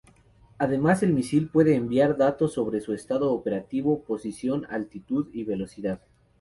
Además el misil puede enviar datos sobre su estado operativo, posición, altitud y velocidad.